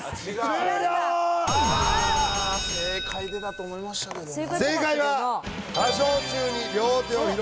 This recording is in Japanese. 終了正解出たと思いましたけどね